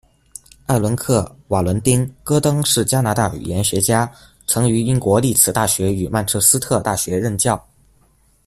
艾瑞克·瓦伦丁·戈登是加拿大语言学家，曾于英国利兹大学与曼彻斯特大学任教。